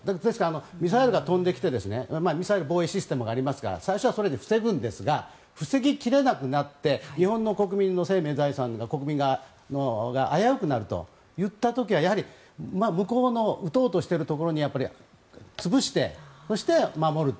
ミサイルが飛んできてミサイル防衛システムがありますから最初はそれで防ぐんですが防ぎ切れなくなって日本の国民の生命財産が危うくなるといった時は向こうの撃とうとしているところに潰して、そして守ると。